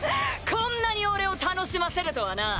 こんなに俺を楽しませるとはな！